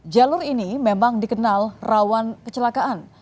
jalur ini memang dikenal rawan kecelakaan